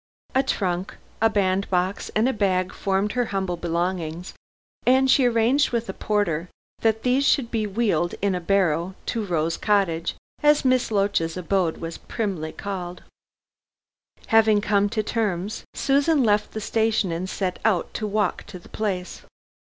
A trunk, a bandbox and a bag formed her humble belongings, and she arranged with a porter that these should be wheeled in a barrow to Rose Cottage, as Miss Loach's abode was primly called. Having come to terms, Susan left the station and set out to walk to the place.